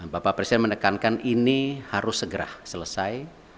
bapak presiden mendekankan ini harus segera selesai